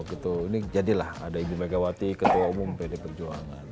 ini jadilah ada ibu megawati ketua umum pd perjuangan